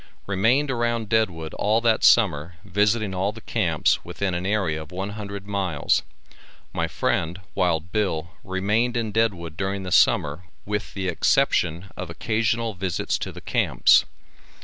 Remained around Deadwood all that summer visiting all the camps within an area of one hundred miles. My friend, Wild Bill, remained in Deadwood during the summer with the exception of occasional visits to the camps.